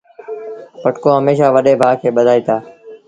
پٽڪو هميشآ وڏي ڀآ کي ٻڌآئيٚتآ۔